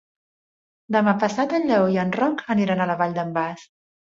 Demà passat en Lleó i en Roc aniran a la Vall d'en Bas.